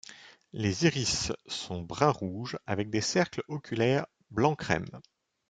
Les iris sont brun rouge avec des cercles oculaires blanc crème.